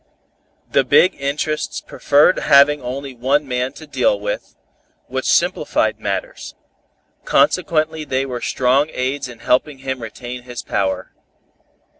The big interests preferred having only one man to deal with, which simplified matters; consequently they were strong aids in helping him retain his power.